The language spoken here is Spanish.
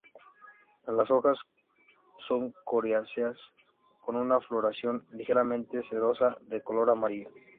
Las hojas son coriáceas, con una floración ligeramente cerosa, de color amarillo.